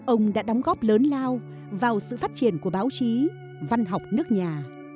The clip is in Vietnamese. ông đã đóng góp lớn lao vào sự phát triển của báo chí văn học nước nhà